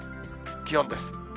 気温です。